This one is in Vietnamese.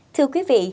thưa quý vị